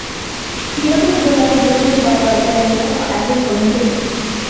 ئىككى يىلدىن بۇيان، بىرمۇ دەۋاگەر يۇقىرىغا ئەرز سۇنمىدى.